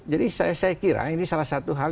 jadi saya kira ini salah satu hal